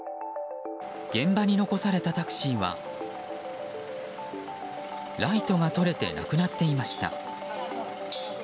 現場に残されたタクシーはライトが取れてなくなっていました。